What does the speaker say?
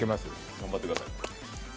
頑張ってください